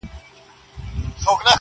لكه زركي هم طنازي هم ښايستې وې؛